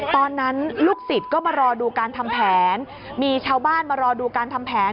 ตอนนั้นลูกศิษย์ก็มารอดูการทำแผนมีชาวบ้านมารอดูการทำแผน